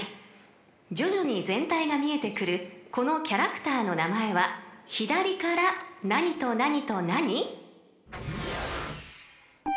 ［徐々に全体が見えてくるこのキャラクターの名前は左から何と何と何？］